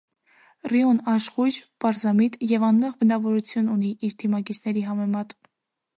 Ռիոն աշխույժ, պարզամիտ և անմեղ բնավորություն ունի՝ իր թիմակիցների համեմատ։